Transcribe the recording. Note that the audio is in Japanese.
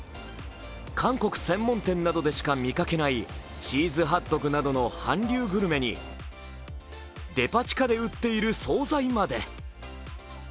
韓国専門店などでしか見かけないチーズハットグなどの韓流グルメにデパ地下で売っている総菜まで。